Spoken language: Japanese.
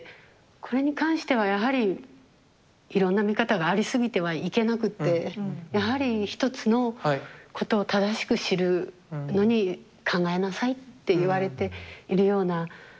これに関してはやはりいろんな見方がありすぎてはいけなくてやはり一つのことを正しく知るのに考えなさいって言われているような気がします。